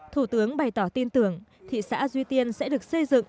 thủ tướng bày tỏ tin tưởng thị xã duy tiên sẽ được xây dựng